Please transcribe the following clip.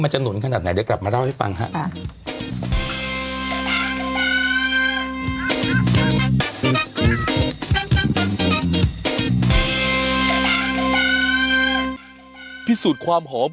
จะหนุนขนาดไหนเดี๋ยวกลับมาเล่าให้ฟังครับ